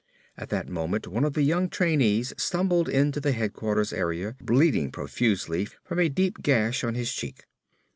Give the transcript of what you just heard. At that moment one of the young trainees stumbled into the headquarters area bleeding profusely from a deep gash on his cheek.